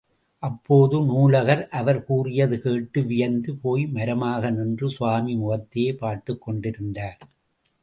அப்போது, நூலகர் அவர் கூறியது கேட்டு வியந்து போய் மரமாக நின்று, சுவாமி முகத்தையே பார்த்துக் கொண்டிருந்தார்.